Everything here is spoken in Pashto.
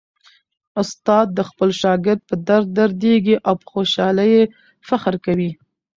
استاد د خپل شاګرد په درد دردیږي او په خوشالۍ یې فخر کوي.